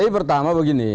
jadi pertama begini